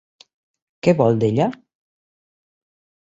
Què vol, d'ella?